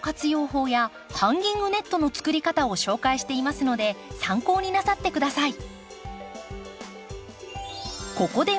法やハンギングネットの作り方を紹介していますので参考になさって下さい。